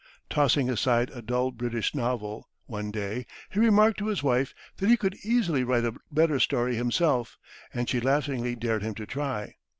Tossing aside a dull British novel, one day, he remarked to his wife that he could easily write a better story himself, and she laughingly dared him to try.